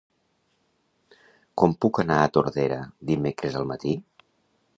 Com puc anar a Tordera dimecres al matí?